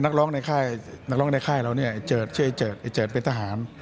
นักร้องในค่ายนักร้องในค่ายเราเนี่ยเจิดชื่อไอเจิดไอ้เจิดเป็นทหาร